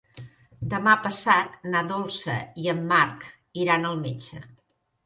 Demà passat na Dolça i en Marc iran al metge.